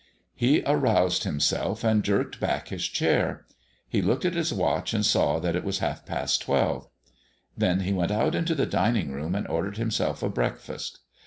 He aroused himself and jerked back his chair. He looked at his watch and saw that it was half past twelve. Then he went up into the dining room and ordered himself a breakfast.